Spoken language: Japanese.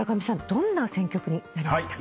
どんな選曲になりましたか？